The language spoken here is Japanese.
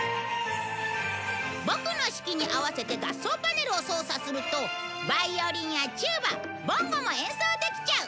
ボクの指揮に合わせて合奏パネルを操作するとバイオリンやチューバボンゴも演奏できちゃう！